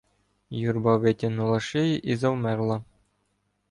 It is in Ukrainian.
Юрба витягнула шиї і завмерла.